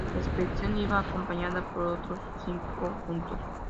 La expedición iba acompañada por otros cinco juncos.